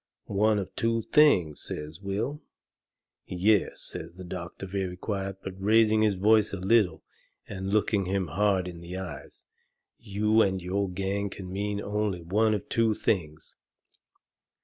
"One of two things?" says Will. "Yes," says the doctor, very quiet, but raising his voice a little and looking him hard in the eyes. "You and your gang can mean only one of two things.